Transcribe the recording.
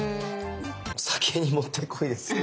お酒に持って来いですよね。